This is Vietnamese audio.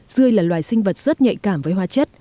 dươi là loài sinh vật rất nhạy cảm với hoa chất